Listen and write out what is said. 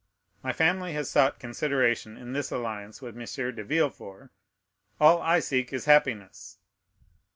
My family has sought consideration in this alliance with M. de Villefort; all I seek is happiness."